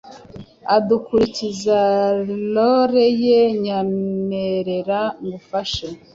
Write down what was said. udakurikiza lore ye nyemerera ngufahe